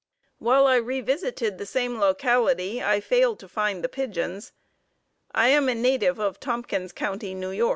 While I revisited the same locality, I failed to find the pigeons. I am a native of Tompkins County, N. Y.